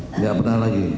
tidak pernah lagi